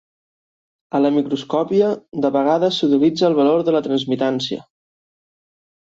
A la microscòpia, de vegades s'utilitza el valor de la transmitància.